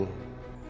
nggak mungkin dok